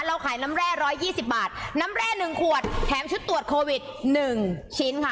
เราขายน้ำแร่๑๒๐บาทน้ำแร่๑ขวดแถมชุดตรวจโควิด๑ชิ้นค่ะ